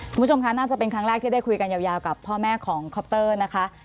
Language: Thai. คุณผู้ชมค่ะน่าจะเป็นครั้งแรกที่ได้คุยกันยาวกับพ่อแม่ของคอปเตอร์นะคะ